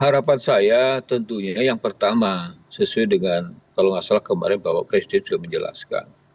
harapan saya tentunya yang pertama sesuai dengan kalau nggak salah kemarin bapak presiden sudah menjelaskan